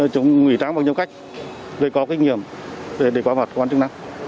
chúng ngủy tráng bằng nhiều cách để có kinh nghiệm để đề quả mặt quan trọng năng